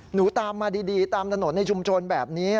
หนูตามมาดีตามถนนในชุมชนแบบนี้